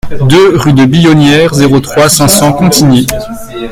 deux rue de Billonnière, zéro trois, cinq cents Contigny